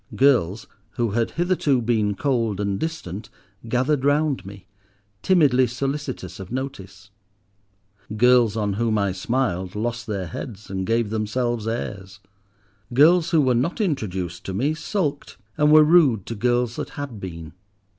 Girls who had hitherto been cold and distant gathered round me, timidly solicitous of notice. Girls on whom I smiled lost their heads and gave themselves airs. Girls who were not introduced to me sulked and were rude to girls that had been.